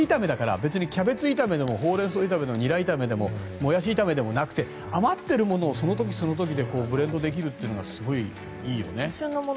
別にキャベツ炒めでもホウレンソウ炒めでもニラ炒めでもモヤシ炒めでもなくて余っているものをその時、その時でブレンドできるのがいいよね。